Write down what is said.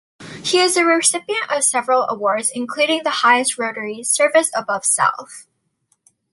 He is a recipient of several awards including the highest Rotary "Service Above Self".